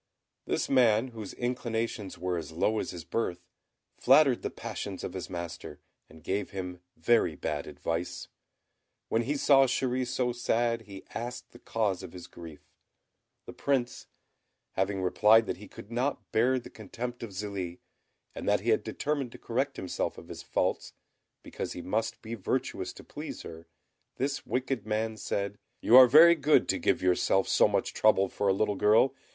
This man, whose inclinations were as low as his birth, flattered the passions of his master, and gave him very bad advice. When he saw Chéri so sad, he asked the cause of his grief. The Prince having replied that he could not bear the contempt of Zélie, and that he had determined to correct himself of his faults, because he must be virtuous to please her, this wicked man said, "You are very good to give yourself so much trouble for a little girl.